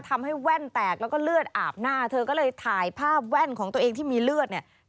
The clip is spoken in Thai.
ทำให้แว่นแตกแล้วก็เลือดอาบหน้าเธอก็เลยถ่ายภาพแว่นของตัวเองที่มีเลือดเนี่ย